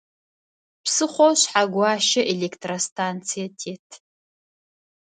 Псыхъоу Шъхьэгуащэ электростанцие тет.